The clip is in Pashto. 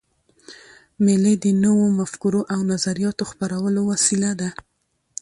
مېلې د نوو مفکورو او نظریاتو خپرولو وسیله ده.